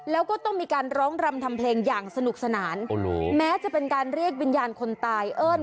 แล้วก็ต้องมีการร้องรำทำเพลงอย่างสนุกสนานโอ้โหแม้จะเป็นการเรียกวิญญาณคนตายเอิ้น